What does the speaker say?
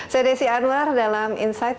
saya desi anwar dalam insight